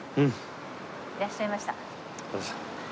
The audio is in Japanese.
いらっしゃいました。